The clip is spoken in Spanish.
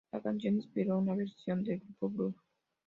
La canción inspiró una versión del grupo Blur.